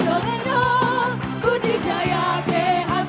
jika kita berpengaruh di jorok tempat